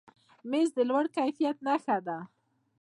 مېز د لوړ کیفیت نښه ده.